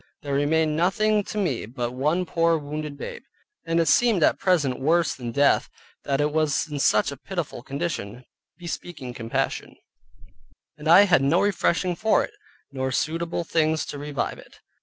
There remained nothing to me but one poor wounded babe, and it seemed at present worse than death that it was in such a pitiful condition, bespeaking compassion, and I had no refreshing for it, nor suitable things to revive it.